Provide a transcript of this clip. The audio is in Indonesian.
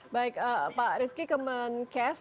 baik pak rizky kemenkes